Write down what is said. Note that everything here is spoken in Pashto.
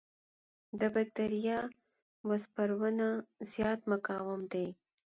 د بکټریاوو سپورونه زیات مقاوم دي.